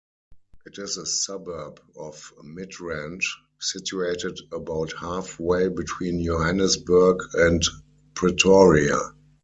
It is a suburb of Midrand, situated about half way between Johannesburg and Pretoria.